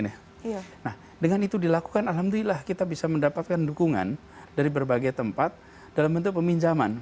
nah dengan itu dilakukan alhamdulillah kita bisa mendapatkan dukungan dari berbagai tempat dalam bentuk peminjaman